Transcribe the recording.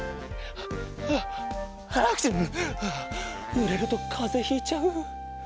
ぬれるとかぜひいちゃう。